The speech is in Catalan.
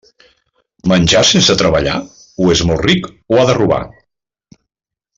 Menja sense treballar? O és molt ric, o ha de robar.